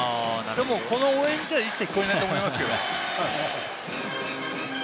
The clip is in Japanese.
この応援では一切聞こえないと思いますけど。